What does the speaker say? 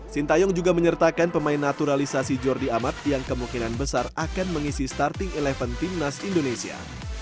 sintayong juga menyertakan pemain naturalisasi jordi amat yang kemungkinan besar akan mengisi starting eleven timnas indonesia